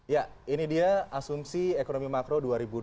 ya ini dia asumsi ekonomi makro dua ribu dua puluh